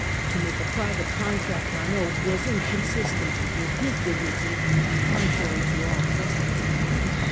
To make a private contract on oath was inconsistent with his dignity and contrary to all precedent.